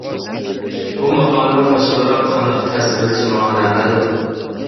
بۇ ماقالىنىڭ باشقىلارغا قانداق تەسىر بېرىشى ماڭا نامەلۇم.